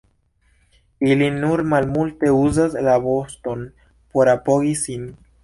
Ili nur malmulte uzas la voston por apogi sin.